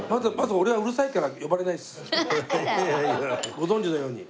ご存じのように。